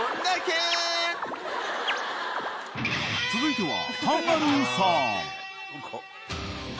［続いては］